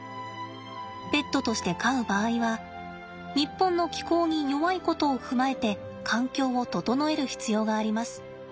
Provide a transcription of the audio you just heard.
ペットとして飼う場合は日本の気候に弱いことを踏まえて環境を整える必要があります。